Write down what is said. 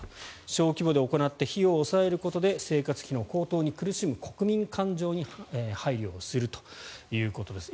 小規模で行って費用を抑えることで生活費の高騰に苦しむ国民感情に配慮をするということです。